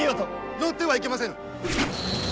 乗ってはいけませぬ！